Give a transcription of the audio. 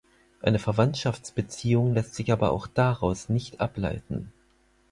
Eine Verwandtschaftsbeziehung lässt sich aber auch daraus nicht ableiten.